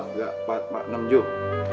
enggak empat enam juh